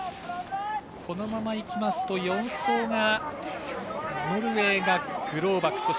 このままいきますと４走がノルウェーがグローバク。